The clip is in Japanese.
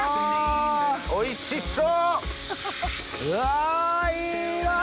あおいしそう！